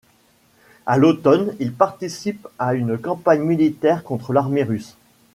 À l'automne, il participe à une campagne militaire contre l'armée russe.